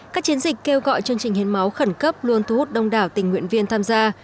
các chiến dịch kêu gọi chương trình hiến máu khẩn cấp luôn thu hút đông đảo tình nguyện viên tham gia